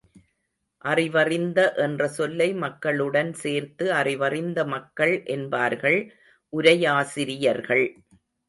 அறிவறிந்த என்ற சொல்லை மக்களுடன் சேர்த்து அறிவறிந்த மக்கள் என்பார்கள் உரையாசிரியர்கள்.